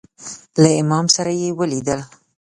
له امام سره یې ولیدل.